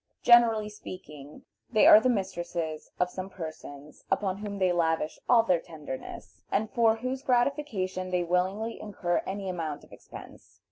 Generally speaking, they are the mistresses of some persons upon whom they lavish all their tenderness, and for whose gratification they willingly incur any amount of expense.